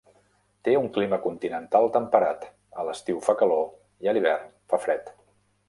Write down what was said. Té un clima continental temperat, a l'estiu fa calor i a l'hivern fa fred.